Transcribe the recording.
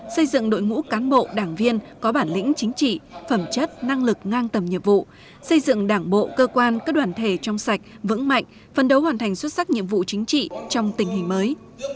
xây dựng đội ngũ cán bộ đảng viên có bản lĩnh chính trị phẩm chất năng lực ngang tầm nhiệm vụ xây dựng đảng bộ cơ quan các đoàn thể trong sạch vững mạnh phân đấu hoàn thành xuất sắc nhiệm vụ chính trị trong tình hình mới